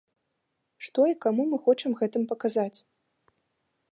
Што і каму мы хочам гэтым паказаць?